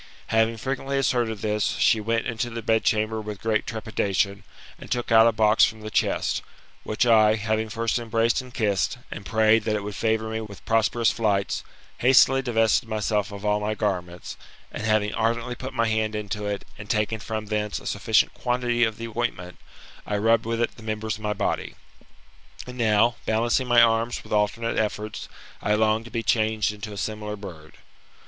Having frequently asserted this, she went into the bedchamber with great trepidation, and took out a box from the chest, which, I, having first embraced and kissed, and prayed that it would favour me with prosperous flights, hastily divested myself of all my garments, and having ardently put my hand into it, and taken from thence a sufficient quantity of the ointment, I rubbed with it the members of my body. And now, balancing my arms with alternate efforts, I longed to be changed into a similar bird.